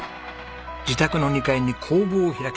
自宅の２階に工房を開きました。